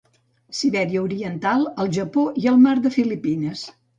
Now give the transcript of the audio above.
Sibèria oriental, el Japó i el mar de Filipines.